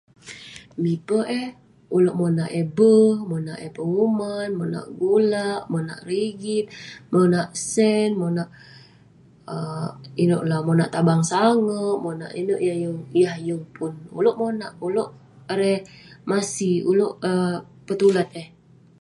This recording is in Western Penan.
Miper eh, ulouk monak yah ber, monak eh penguman, monak gulak, monak rigit, monak sen, monak um inouk la, monak tabang sangep. Monak Inouk yah yeng pun, ulouk monak, ulouk erei masik, ulouk petulat eh.